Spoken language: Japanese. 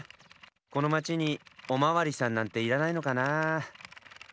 このまちにおまわりさんなんていらないのかなあ？